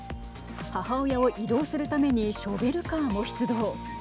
母親を移動するためにショベルカーも出動。